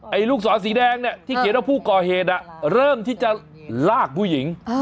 ลูกศรสีแดงเนี่ยที่เขียนว่าผู้ก่อเหตุเริ่มที่จะลากผู้หญิง